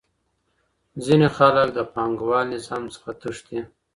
ځینې خلګ له پانګوال نظام څخه تښتي.